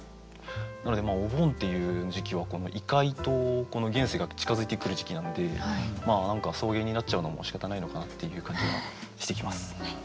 なのでお盆っていう時期は異界とこの現世が近づいてくる時期なので草原になっちゃうのもしかたないのかなっていう感じがしてきます。